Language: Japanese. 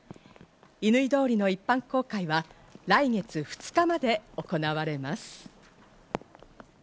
乾通りの一般公開は、来月２日まで行われます。